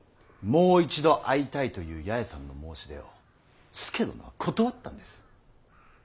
もう一度会いたいという八重さんの申し出を佐殿は断ったんです。